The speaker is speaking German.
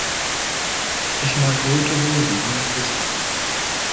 Ich mag rote Rosen und Narzissen.